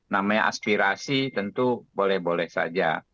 namanya aspirasi tentu boleh boleh saja